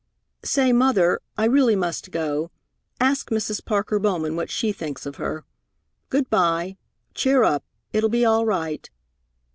"Say, Mother, I really must go. Ask Mrs. Parker Bowman what she thinks of her. Good by! Cheer up, it'll be all right."